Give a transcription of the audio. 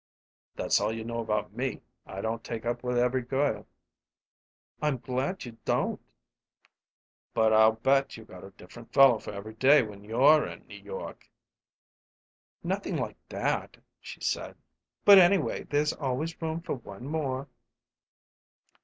"That's all you know about me. I don't take up with every girl." "I'm glad you don't," she said. "But I'll bet you got a different fellow for every day when you're in New York." "Nothin' like that," she said; "but, anyway, there's always room for one more."